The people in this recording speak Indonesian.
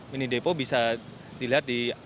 mini depo bisa dilihat di